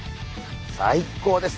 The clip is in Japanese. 最高ですね。